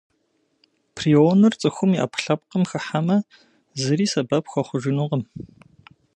Прионыр цӏыхум и ӏэпкълъэпкъым хыхьэмэ, зыри сэбэп хуэхъужынукъым.